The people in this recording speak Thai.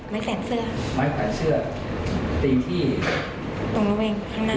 ไม้แขวนเสื้อไม้แขวนเสื้อติงที่ตรงร่างเว่งข้างหน้า